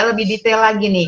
lebih detail lagi nih